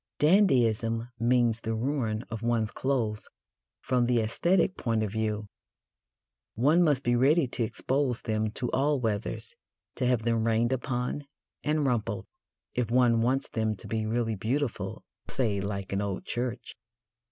Dandyism means the ruin of one's clothes from the æsthetic point of view. One must be ready to expose them to all weathers to have them rained upon and rumpled if one wants them to be really beautiful, say, like an old church.